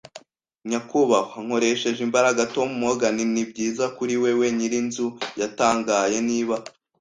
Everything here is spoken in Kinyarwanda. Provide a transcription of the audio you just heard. nyakubahwa. ” “Nkoresheje imbaraga, Tom Morgan, ni byiza kuri wewe!” nyir'inzu yatangaye. “Niba